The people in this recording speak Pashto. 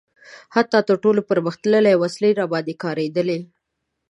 حتی تر ټولو پرمختللې وسلې راباندې کارېدلي.